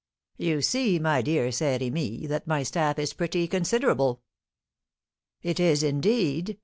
"You see, my dear Saint Remy, that my staff is pretty considerable." "It is indeed!